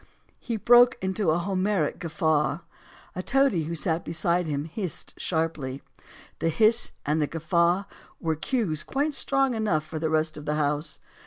He broke into a Homeric guffaw. A toady who sat beside him hissed sharply. The hiss and the guf faw were cues quite strong enough for the rest of the house.